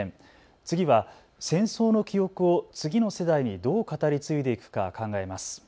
次は戦争の記憶を次の世代にどう語り継いでいくか考えます。